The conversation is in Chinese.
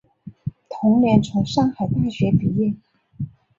同年从上海大学毕业。